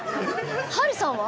ハルさんは？